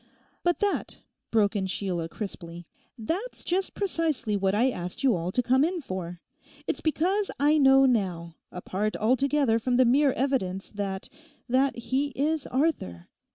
'But that,' broke in Sheila crisply—'that's just precisely what I asked you all to come in for. It's because I know now, apart altogether from the mere evidence, that—that he is Arthur.